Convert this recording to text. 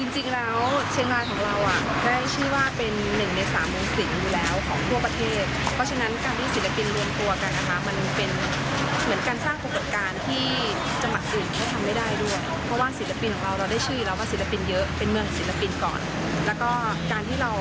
จริงแล้วเชียงรายของเรา